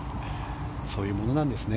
そういうものなんですね。